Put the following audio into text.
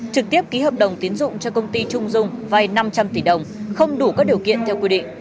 trực tiếp ký hợp đồng tiến dụng cho công ty trung dung vai năm trăm linh tỷ đồng không đủ các điều kiện theo quy định